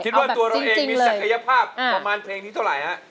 คิดว่าตัวเราเองมีศักยภาพประมาณเพลงนี้เท่าไหร่ฮะ